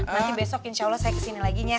nanti besok insya allah saya kesini lagi ya